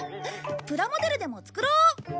プラモデルでも作ろう！